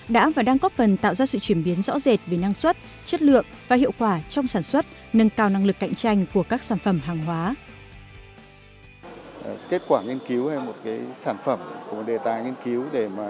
đã và đang có phần tạo ra sự chuyển biến rõ rệt về năng suất chất lượng và hiệu quả trong sản xuất nâng cao năng lực cạnh tranh của các sản phẩm hàng hóa